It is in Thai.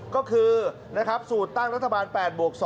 ก็คือสูตรตั้งรัฐบาล๘บวก๒